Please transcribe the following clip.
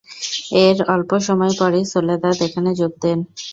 এর অল্প সময় পরই সোলেদাদ এখানে যোগ দেন।